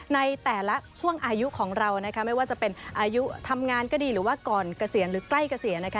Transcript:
ในแต่ละช่วงอายุของเรานะคะไม่ว่าจะเป็นอายุทำงานก็ดีหรือว่าก่อนเกษียณหรือใกล้เกษียณนะคะ